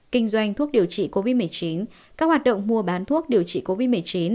kinh doanh thuốc điều trị covid một mươi chín các hoạt động mua bán thuốc điều trị covid một mươi chín